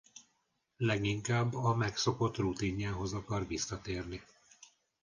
Leginkább a megszokott rutinjához akar visszatérni.